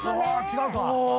違うか。